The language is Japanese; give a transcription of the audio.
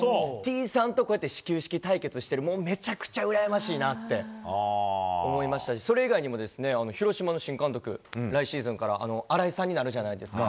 Ｔさんとこうやって始球式対決してるの、めちゃくちゃうらやましいなって思いましたし、それ以外にも、広島の新監督、来シーズンから、新井さんになるじゃないですか。